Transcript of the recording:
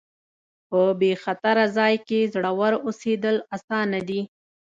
په بې خطره ځای کې زړور اوسېدل اسانه دي.